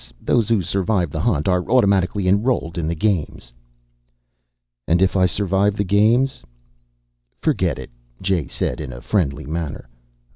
Those who survive the Hunt are automatically enrolled in the Games." "And if I survive the Games?" "Forget it," Jay said in a friendly manner.